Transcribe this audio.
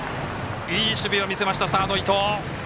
いい守備を見せましたサード、伊藤。